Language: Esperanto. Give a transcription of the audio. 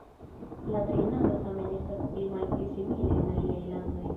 La trejnado tamen estas pli malpli simila en aliaj landoj.